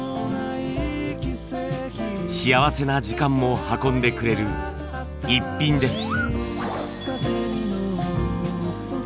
幸せな時間も運んでくれるイッピンです。